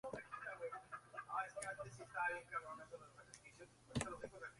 La asesina, esposa del difunto, ha confesado.